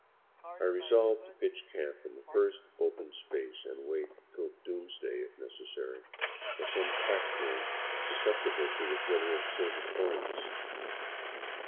I resolved to pitch camp in the first open space and wait, till doomsday if necessary, for some pack train sus ceptible to the glitter of silver coins.